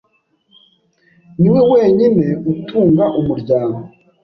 Niwe wenyine utunga umuryango.